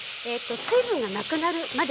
水分がなくなるまで。